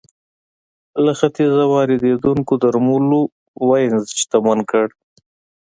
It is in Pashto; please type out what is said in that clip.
له ختیځه واردېدونکو درملو وینز شتمن کړ